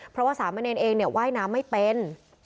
เพราะว่าสามัญญาณเองเนี่ยว่ายน้ำไม่เป็น